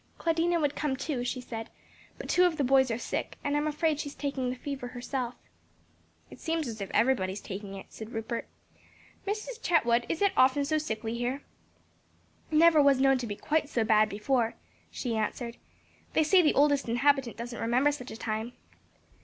"Claudina would come too," she said, "but two of the boys are sick, and I'm afraid she is taking the fever herself." "It seems as if everybody is taking it," said Rupert. "Mrs. Chetwood, is it often so sickly here?" "Never was known to be quite so bad before," she answered; "they say the oldest inhabitant doesn't remember such a time.